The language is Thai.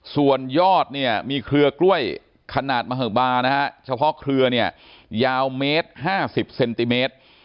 ส่วนยอดเนี่ยมีเครือกล้วยขนาดมหบานะฮะเฉพาะเครือเนี่ยยาวเมตร๕๐เซนติเมตร